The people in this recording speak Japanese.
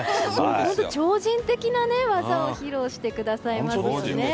超人的な技を披露してくださいますよね。